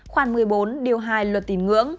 khoảng một mươi bốn điều hai luật tín ngưỡng